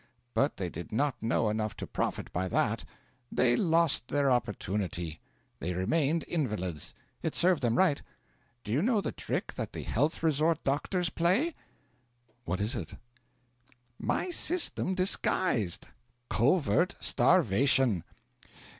But they did not know enough to profit by that; they lost their opportunity; they remained invalids; it served them right. Do you know the trick that the health resort doctors play?' 'What is it?' 'My system disguised covert starvation.